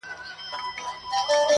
دده مخ د نمکينو اوبو ډنډ سي.